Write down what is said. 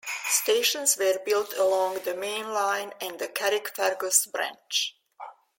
Stations were built along the main line and the Carrickfergus branch.